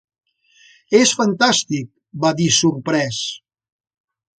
És fantàstic, va dir sorprès.